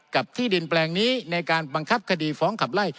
ที่ดินแปลงนี้ในการบังคับคดีฟ้องขับไล่